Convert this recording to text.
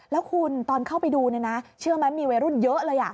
แล้วคุณตอนเข้าไปดูเนี่ยนะเชื่อไหมมีวัยรุ่นเยอะเลย